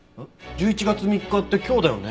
１１月３日って今日だよね？